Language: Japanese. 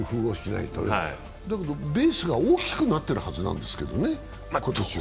だけどベースが大きくなってるはずなんですけどね、今年は。